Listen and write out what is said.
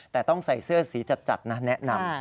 แต่ต้องใส่เสื้อสีจัดนะแนะนำ